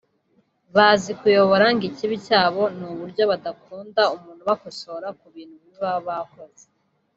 Bazi kuyobora ngo ikibi cyabo ni uburyo badakunda umuntu ubakosora ku bintu bibi baba bakoze